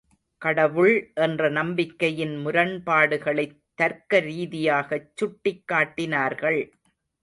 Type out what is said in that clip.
கடவுள் என்ற நம்பிக்கையின் முரண்பாடுகளைத் தர்க்க ரீதியாகச் சுட்டிக் காட்டினார்கள்.